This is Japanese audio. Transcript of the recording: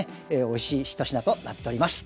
おいしい一品となっております。